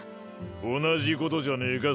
同じことじゃねえか？